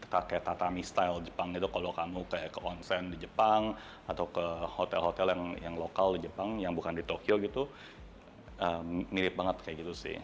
kayak tatami style jepang gitu kalau kamu kayak ke onsen di jepang atau ke hotel hotel yang lokal di jepang yang bukan di tokyo gitu mirip banget kayak gitu sih